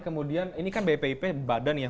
kemudian ini kan bpip badan ya